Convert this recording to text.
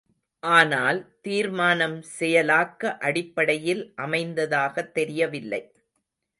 ஆனால், தீர்மானம் செயலாக்க அடிப்படையில் அமைந்ததாகத் தெரியவில்லை.